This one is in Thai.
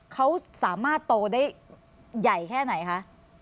เขาสามารถโตได้ใหญ่แค่ไหนคะ